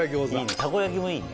たこ焼きもいいね。